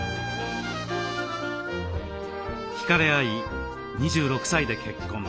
ひかれ合い２６歳で結婚。